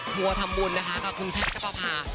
ทัวร์ทำบุญนะคะกับคุณแพทย์นับประพา